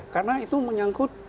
karena itu menyangkut